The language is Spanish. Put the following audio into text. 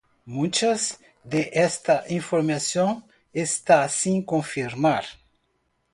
Mucha de esta información está sin confirmar.